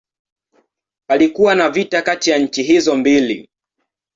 Palikuwa na vita kati ya nchi hizo mbili.